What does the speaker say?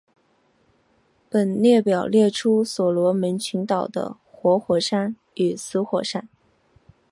本列表列出所罗门群岛的活火山与死火山。